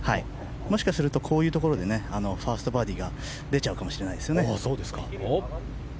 もしかするとこういうところでファーストバーディーが出ちゃうかもしれないですよね。